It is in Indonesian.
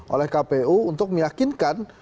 oleh kpu untuk meyakinkan